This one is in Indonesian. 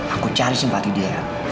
aku cari simpati dia